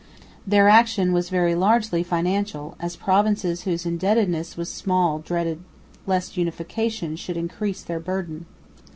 Their action was very largely financial, as provinces whose indebtedness was small dreaded lest unification should increase their burden.